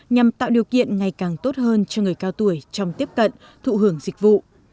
nhằm tạo điều kiện ngày càng tốt hơn cho người cao tuổi trong tiếp cận thụ hưởng dịch vụ